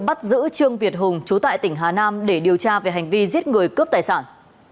bắt giữ trương việt hùng chú tại tỉnh hà nam để điều tra về hành vi giết người cướp tài sản